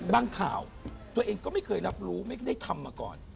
ข่าวตัวเองก็ไม่เคยรับรู้ไม่ได้ทำมาก่อน